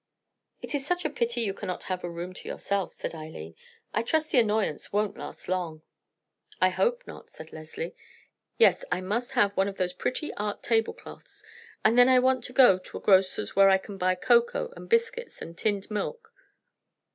"It is such a pity you cannot have a room to yourself," said Eileen. "I trust the annoyance won't last long." "I hope not," said Leslie. "Yes, I must have one of those pretty art table cloths, and then I want to go to a grocer's where I can buy cocoa and biscuits and tinned milk."